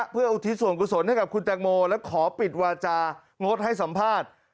เพื่ออุทิศส่วนกุศลให้กับคุณแตงโมและขอปิดวาจางดให้สัมภาษณ์